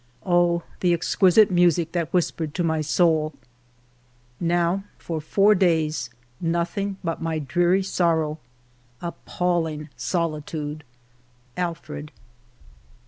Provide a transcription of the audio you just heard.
Oh, the exquisite music that whispered to my soul !" Now for four days nothing but my dreary sorrow, — appalling solitude. ... Alfred."